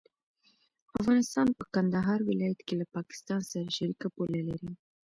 افغانستان په کندهار ولايت کې له پاکستان سره شریکه پوله لري.